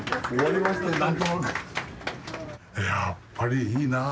やっぱりいいなあ。